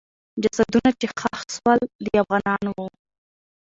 جسدونه چې ښخ سول، د افغانانو وو.